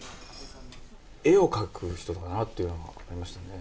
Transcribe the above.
絵を描く人だなっていうのはありましたね。